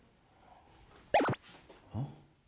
うん？